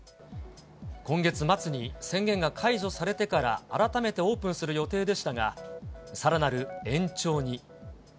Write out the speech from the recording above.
今月末に宣言が解除されてから改めてオープンする予定でしたが、さらなる延長に。